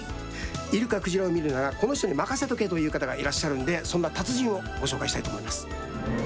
イルカ・クジラを見るならこの人に任せとけという方がいらっしゃるのでそんな達人をご紹介したいと思います。